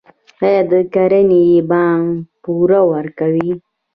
آیا د کرنې بانک پور ورکوي؟